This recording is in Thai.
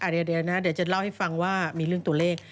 เดี๋ยวนะเดี๋ยวจะเล่าให้ฟังว่ามีเรื่องตัวเลข